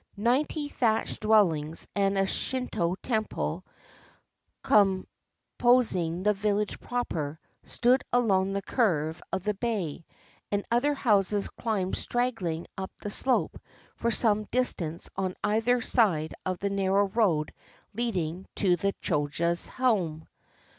Ninety thatched dwellings and a Shinto temple, com 344 HOW A MAN BECAME A GOD posing the village proper, stood along the curve of the bay; and other houses climbed straggling up the slope for some distance on either side of the narrow road leading to the Choja's home.